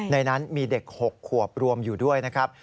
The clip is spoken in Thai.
ในนั้นมีเด็ก๖ขวบรวมอยู่ด้วยนะครับ